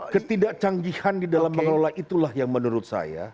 ketidakcanggihan di dalam mengelola itulah yang menurut saya